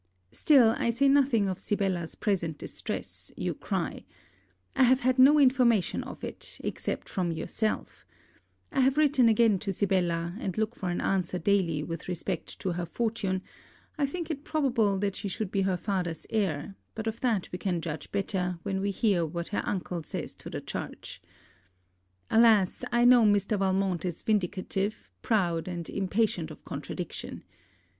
Still I say nothing of Sibella's present distress, you cry. I have had no information of it, except from yourself. I have written again to Sibella, and look for an answer daily with respect to her fortune, I think it probable that she should be her father's heir; but of that we can judge better when we hear what her uncle says to the charge. Alas, I know Mr. Valmont is vindictive, proud, and impatient of contradiction.